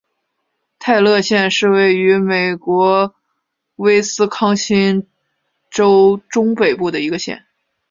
泰勒县是位于美国威斯康辛州中北部的一个县。